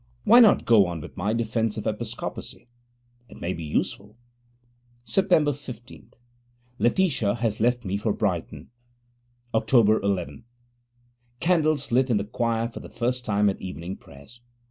Why not go on with my Defence of Episcopacy? It may be useful. Sept. 15. Letitia has left me for Brighton. Oct. 11. Candles lit in the choir for the first time at evening prayers.